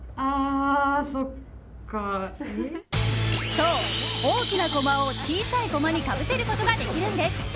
そう、大きなコマを小さいコマにかぶせることができるんです。